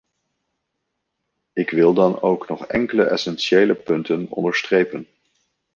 Ik wil dan ook nog enkele essentiële punten onderstrepen.